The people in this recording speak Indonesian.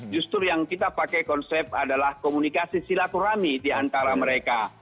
justru yang kita pakai konsep adalah komunikasi silaturahmi diantara mereka